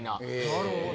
なるほど。